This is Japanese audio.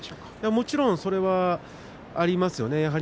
もちろんそれはありますよね。